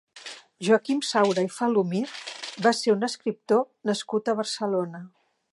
Joaquim Saura i Falomir va ser un escriptor nascut a Barcelona.